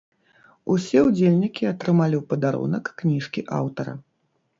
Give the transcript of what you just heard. Усе ўдзельнікі атрымалі ў падарунак кніжкі аўтара.